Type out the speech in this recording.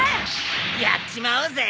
やっちまおうぜ！